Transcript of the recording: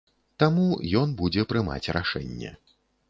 Таму, ён будзе прымаць рашэнне.